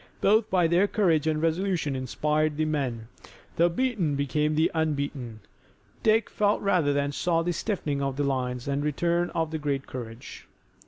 Both by their courage and resolution inspired the men. The beaten became the unbeaten. Dick felt rather than saw the stiffening of the lines, and the return of a great courage.